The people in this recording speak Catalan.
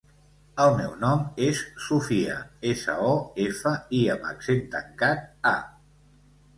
El meu nom és Sofía: essa, o, efa, i amb accent tancat, a.